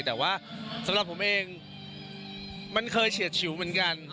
แต่ว่าสำหรับผมเองมันเคยเฉียดฉิวเหมือนกัน